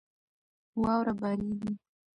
واوره بارېږي.